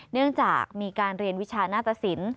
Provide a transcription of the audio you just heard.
เนื่องจากมีการเรียนวิชาหน้าตสิน